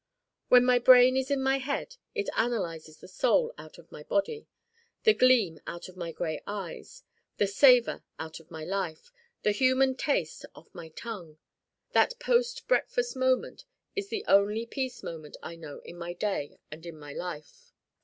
When my brain is in my head it analyzes the soul out of my body, the gleam out of my gray eyes, the savor out of my life, the human taste off my tongue. That post breakfast moment is the only peace moment I know in my day and in my life.